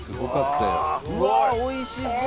うわーおいしそう！